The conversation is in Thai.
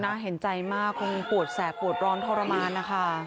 โหน่าเห็นใจมากโหดแสกโหดร้อนทรมานนะคะ